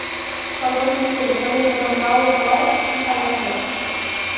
Otros de esos directores fueron Raoul Walsh y Allan Dwan.